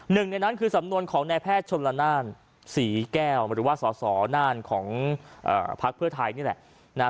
หนึ่งในนั้นคือสำนวนของนายแพทย์ชนละนานศรีแก้วหรือว่าสสน่านของพักเพื่อไทยนี่แหละ